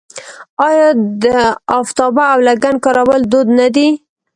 آیا د افتابه او لګن کارول دود نه دی؟